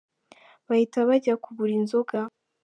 Bahita bajya kugura inzoga.